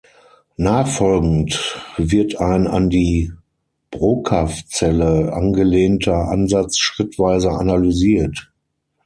Nachfolgend wird ein an die Brokaw-Zelle angelehnter Ansatz schrittweise analysiert.